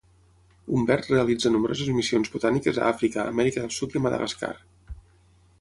Humbert realitza nombroses missions botàniques a Àfrica, Amèrica del Sud i a Madagascar.